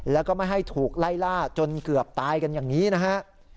แล้วก็ไม่ให้ถูกไล่ล่าจนเกือบตายกันอย่างนี้นะฮะ